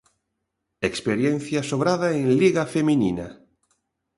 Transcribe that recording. Experiencia sobrada en Liga feminina.